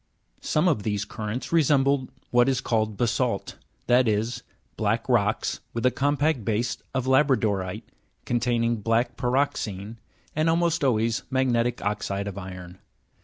2. Some of these currents resemble what is called basalt, that is, black rocks with a compact base of la'bradorite, containing black pyroxene, and almost always magnetic oxide of iron.